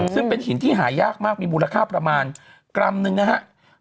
ซึ่งเป็นหินที่หายากมากมีมูลค่าประมาณกรัมนึงนะครับ